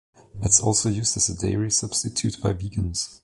It is also used as a dairy substitute by vegans.